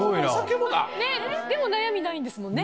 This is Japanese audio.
悩みないんですもんね。